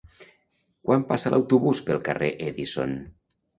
Quan passa l'autobús pel carrer Edison?